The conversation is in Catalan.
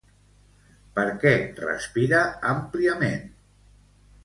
Per què respira àmpliament?